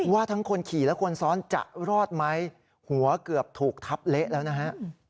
ว่าทั้งคนขี่และคนซ้อนจะรอดไหมหัวเกือบถูกทับเละแล้วนะฮะ